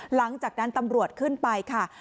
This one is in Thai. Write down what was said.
หลังจากนั้นตำรวจขึ้นไปค่ะ